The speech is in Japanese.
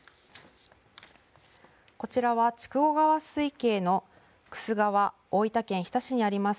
こちらは筑後川水系のくす川、大分県日田市にあります